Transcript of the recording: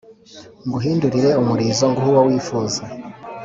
nguhindurire umulizo nguhe uwo wifuza.